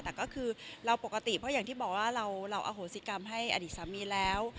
แต่ก็คือเราปกติเพราะอย่างที่บอกว่าเราอโหสิกรรมให้อดีตสามีแล้ว